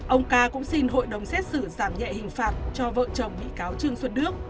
ông ca cũng xin hội đồng xét xử giảm nhẹ hình phạt cho vợ chồng bị cáo trương xuân đức